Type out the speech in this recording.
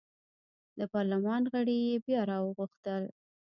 د پارلمان غړي یې بیا راوغوښتل.